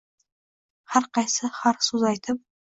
Har qaysi har so‘z aytib